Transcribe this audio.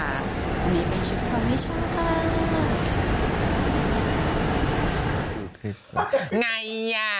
วันนี้เป็นชุดคนวิชาค่ะ